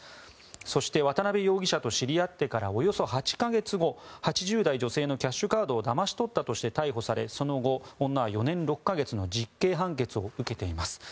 そして渡邉容疑者と知り合ってからおよそ８か月後８０代女性のキャッシュカードをだまし取ったとして逮捕されその後、女は４年６か月の実刑判決を受けています。